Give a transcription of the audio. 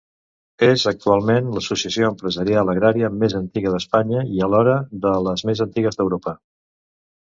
És, actualment, l’Associació Empresarial Agrària més antiga d’Espanya i, alhora, de les més antigues d’Europa.